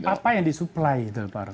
apa yang disupply itu pak rokin